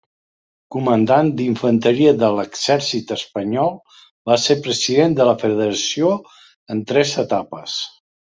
Comandant d'infanteria de l'exèrcit espanyol, va ser president de la federació en tres etapes.